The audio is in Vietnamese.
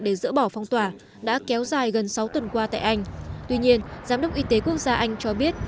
để dỡ bỏ phong tỏa đã kéo dài gần sáu tuần qua tại anh tuy nhiên giám đốc y tế quốc gia anh cho biết